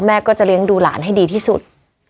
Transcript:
แม่ก็จะเลี้ยงดูหลานให้ดีที่สุด